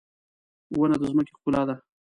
• ونه د ځمکې ښکلا ده.